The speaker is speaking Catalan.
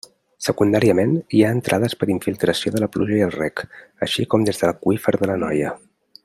Secundàriament, hi ha entrades per infiltració de la pluja i el reg, així com des de l'aqüífer de l'Anoia.